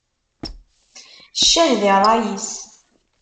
Ccah di ṛṛay-is!